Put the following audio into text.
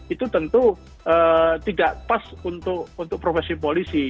itu tentu tidak pas untuk profesi polisi